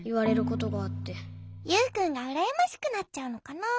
ユウくんがうらやましくなっちゃうのかな？